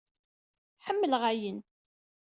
Ḥemmleɣ ayen.